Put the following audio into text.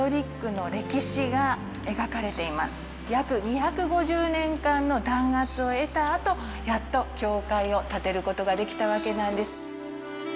約２５０年間の弾圧を経たあとやっと教会を建てることができたわけなんです。